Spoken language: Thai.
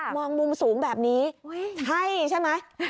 มองมุมสูงแบบนี้ใช่ใช่ไหม